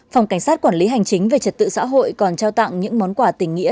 phòng cảnh sát quản lý hành chính về trật tự xã hội còn trao tặng những món quà tình nghĩa